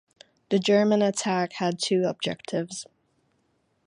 The German attack had two objectives.